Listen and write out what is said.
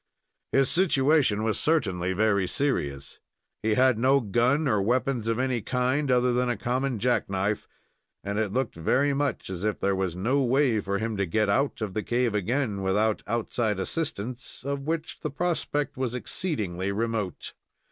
His situation was certainly very serious. He had no gun or weapons of any kind other than a common jack knife, and it looked very much as if there was no way for him to get out the cave again without outside assistance, of which the prospect was exceedingly remote.